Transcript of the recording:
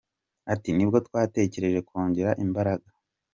Ati, « Nibwo twatekereje kongera imbaraga.